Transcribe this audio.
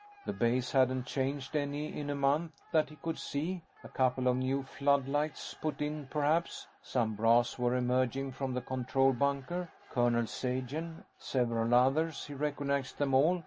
The base hadn't changed any in a month, that he could see. A couple of new floodlights put in, perhaps. Some brass were emerging from the control bunker. Colonel Sagen, several others. He recognized them all.